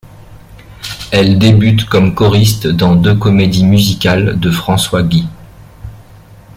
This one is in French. Elle débute comme choriste dans deux comédies musicales de François Guy.